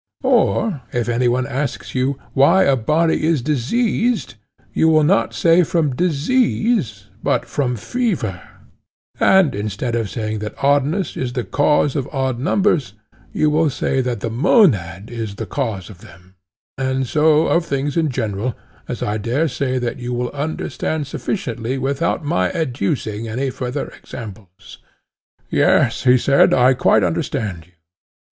Or if any one asks you 'why a body is diseased,' you will not say from disease, but from fever; and instead of saying that oddness is the cause of odd numbers, you will say that the monad is the cause of them: and so of things in general, as I dare say that you will understand sufficiently without my adducing any further examples. Yes, he said, I quite understand you.